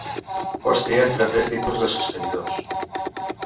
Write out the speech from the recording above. Pots triar entre tres tipus de sostenidors.